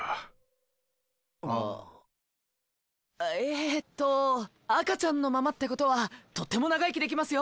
えっと赤ちゃんのままってことはとっても長生きできますよ！